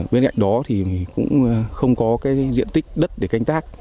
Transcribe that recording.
bên cạnh đó thì cũng không có cái diện tích đất để canh tác